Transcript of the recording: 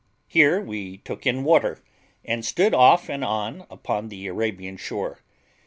Here we took in water, and stood off and on upon the Arabian shore.